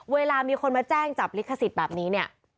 เวลามีคนมาแจ้งจับลิขสิทธิ์แบบนี้เนี่ย